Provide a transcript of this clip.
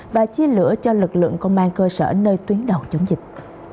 và chia lửa cho lực lượng công an cơ sở nơi tuyến đầu chống dịch